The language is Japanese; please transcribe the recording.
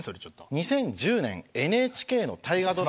２０１０年ＮＨＫの大河ドラマで。